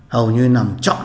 hầu như nằm trọn